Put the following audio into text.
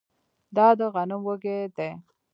دا د غنم وږی دی